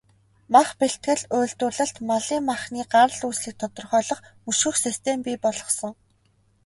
Мах бэлтгэл, үйлдвэрлэлд малын махны гарал үүслийг тодорхойлох, мөшгөх систем бий болгосон.